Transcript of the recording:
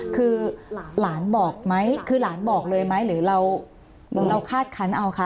คือหลานบอกไหมคือหลานบอกเลยไหมหรือเราคาดคันเอาคะ